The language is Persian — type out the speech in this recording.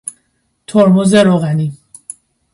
ترمز روغنی